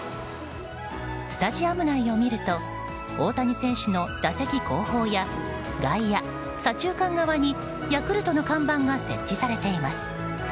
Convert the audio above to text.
スタジアム内を見ると大谷選手の打席後方や外野左中間側にヤクルトの看板が設定されます。